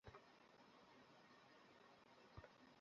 সকাল সাড়ে আটটার দিকে হঠাত্ করে কালভার্টটি ভেঙে শ্রমিকদের ওপর পড়ে।